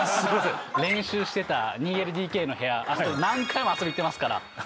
練習していた２ＬＤＫの部屋、何回も遊びに行っていますから。